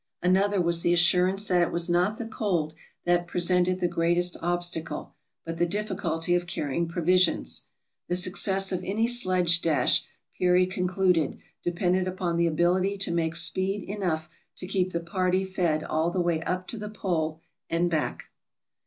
Another was the assurance that it was not the cold that pre sented the greatest obstacle, but the difficulty of carrying provisions. The success of any sledge dash, Peary concluded, depended upon the ability to make speed enough to keep the party fed all the way up to the pole and back.